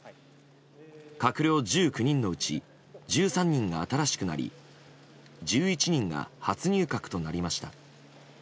閣僚１９人のうち１３人が新しくなり１１人が初入閣となりました。